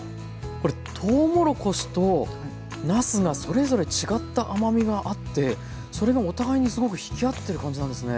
これとうもろこしとなすがそれぞれ違った甘みがあってそれがお互いにすごく引き合ってる感じなんですね。